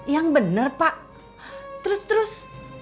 yang benar pak terus terus